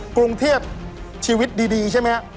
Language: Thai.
กรุงเทียบชีวิตดีใช่ไหม